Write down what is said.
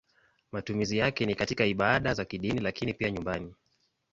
Matumizi yake ni katika ibada za kidini lakini pia nyumbani.